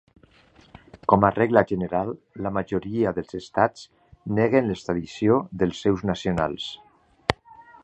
Com a regla general, la majoria dels estats neguen l'extradició dels seus nacionals.